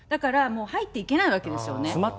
だからもう入っていけないわけですよね。